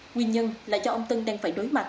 nguyên nhân là do ông tân đang phải đối mặt